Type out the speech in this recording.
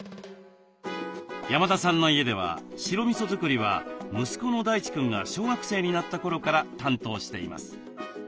山田さんの家では白みそ作りは息子の大地くんが小学生になった頃から担当しています。